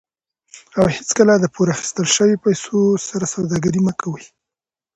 او هیڅکله د پور اخیستل شوي پیسو سره سوداګري مه کوئ.